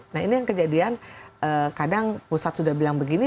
nah ini yang kejadian kadang pusat sudah bilang begini